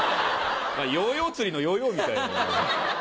ヨーヨー釣りのヨーヨーみたい。